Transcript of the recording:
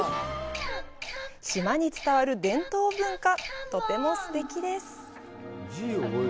島に伝わる伝統文化、とてもすてきです！